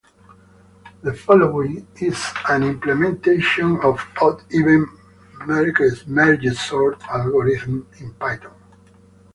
The following is an implementation of odd-even mergesort algorithm in Python.